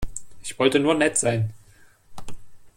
Ich wollte nur nett sein.